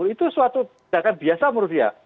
itu suatu tindakan biasa menurut dia